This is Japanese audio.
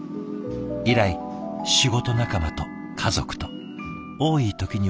以来仕事仲間と家族と多い時には月４度も。